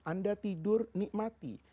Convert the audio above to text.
anda tidur nikmati